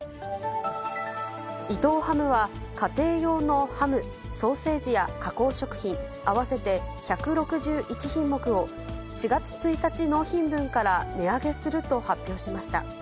伊藤ハムは、家庭用のハム、ソーセージや加工食品、合わせて１６１品目を、４月１日納品分から値上げすると発表しました。